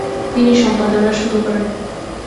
তিনি সম্পাদনা শুরু করেন।